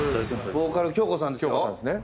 ボーカル杏子さんですよ。